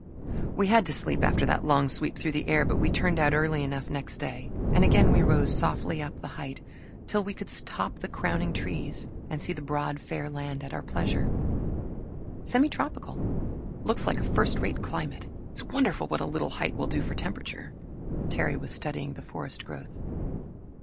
We had to sleep after that long sweep through the air, but we turned out early enough next day, and again we rose softly up the height till we could top the crowning trees and see the broad fair land at our pleasure. "Semitropical. Looks like a first rate climate. It's wonderful what a little height will do for temperature." Terry was studying the forest growth.